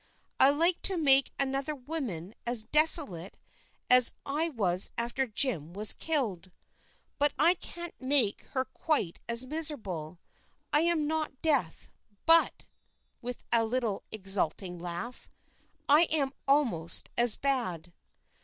I like to make another woman as desolate as I was after Jim was killed, but I can't make her quite as miserable. I am not Death. But," with a little exulting laugh, "I am almost as bad."